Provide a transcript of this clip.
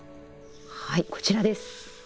はいこちらです。